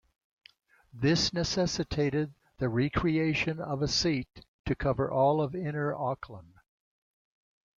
This necessitated the re-creation of a seat to cover all of inner Auckland.